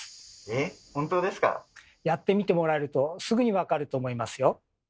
えっやってみてもらえるとすぐに分かると思いますよ。